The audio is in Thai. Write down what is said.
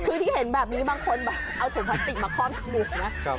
คือที่เห็นแบบนี้บางคนเอาสภาษณ์ปิดข็มชมมาคล้องคนดูนะ